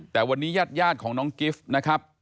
แต่วันนี้ญาติของน้องกิฟต์นะครับ